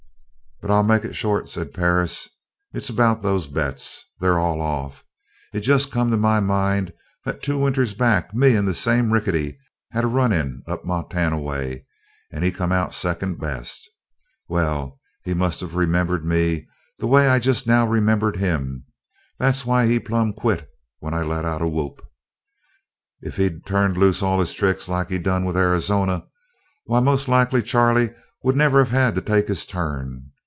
"But I'll make it short," said Perris. "It's about these bets. They're all off. It just come to my mind that two winters back me and this same Rickety had a run in up Montana way and he come out second best. Well, he must of remembered me the way I just now remembered him. That's why he plumb quit when I let out a whoop. If he'd turned loose all his tricks like he done with Arizona, why most like Charley would never of had to take his turn.